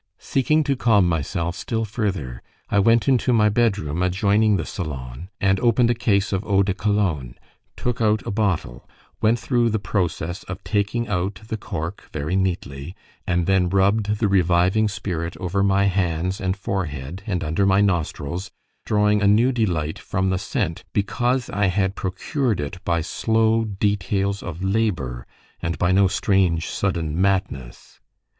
Seeking to calm myself still further, I went into my bedroom, adjoining the salon, and opened a case of eau de Cologne; took out a bottle; went through the process of taking out the cork very neatly, and then rubbed the reviving spirit over my hands and forehead, and under my nostrils, drawing a new delight from the scent because I had procured it by slow details of labour, and by no strange sudden madness.